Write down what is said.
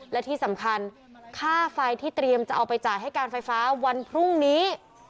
และที่สำคัญค่าไฟที่เตรียมจะเอาไปจ่ายให้การไฟฟ้าวันพรุ่งนี้